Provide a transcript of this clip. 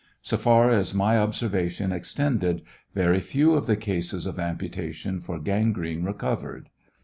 »»•»' So far as my observation extended, very few of the cases of amputation for gangrene recov ered.